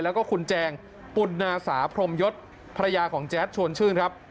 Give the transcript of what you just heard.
แล้วก็คุณแจงปุ่นนาสาพรมยศภรรยาของแจ๊ดชวนชื่นครับ